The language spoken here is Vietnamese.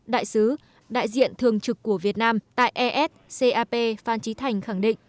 đại sứ đại diện thường trực của việt nam tại s cap phan trí thành khẳng định